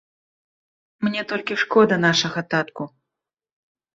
Мне толькі шкода нашага татку.